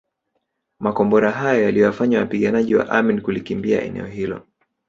Makombora hayo yaliwafanya wapiganaji wa Amin kulikimbia eneo hilo